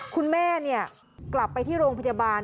คุณแม่กลับไปที่โรงพยาบาล